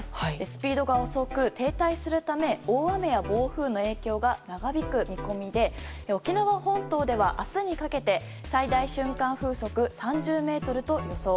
スピードが遅く停滞するため大雨や暴風の影響が長引く見込みで沖縄本島では、明日にかけて最大瞬間風速３０メートルと予想。